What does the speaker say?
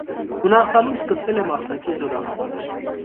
Հունաստանում սկսվել է մասնակի զորահավաք։